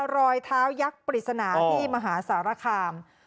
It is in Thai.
รอยเท้ายักษ์ปริศนาที่มหาสารคาม